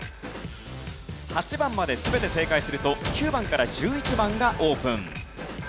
８番まで全て正解すると９番から１１番がオープン。